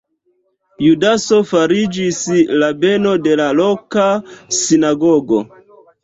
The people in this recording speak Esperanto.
Judaso fariĝis rabeno de la loka sinagogo.